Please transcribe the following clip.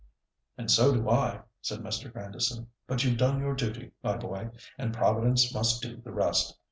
"And so do I," said Mr. Grandison; "but you've done your duty, my boy, and Providence must do the rest.